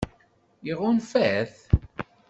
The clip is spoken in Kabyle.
Iɣunfa-t?